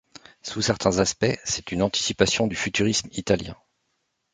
Sous certains aspects, c’est une anticipation du futurisme italien.